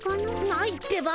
ないってば。